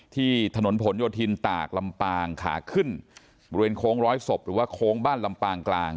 ที่ถนนผลโยธินตากลำปางขาขึ้นบริเวณโค้งร้อยศพหรือว่าโค้งบ้านลำปางกลาง